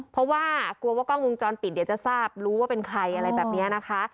เพราะว่ากลัวว่ากล้องวงจรปิดเดี๋ยวจะทราบรู้ว่าเป็นใครอะไรแบบนี้นะคะ